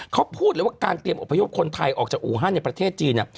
เขาพูดเลยว่าการเตรียมอพยพคนไทยออกจากอูฮันในประเทศจีน